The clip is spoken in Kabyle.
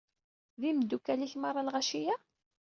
D imdukal-ik merra lɣaci-ya?